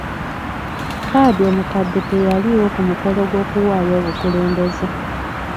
Kadhi omukadde teyaliiwo ku mukolo gw'okuwaayo obukulembeze.